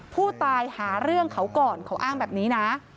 ผู้ต้องหาหาเรื่องเขาก่อนเขาอ้างแบบนี้นะ